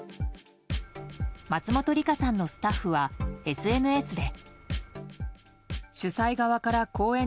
松本梨香さんのスタッフはＳＮＳで。